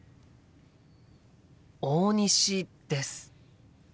大西です。